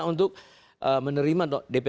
untuk menerima dp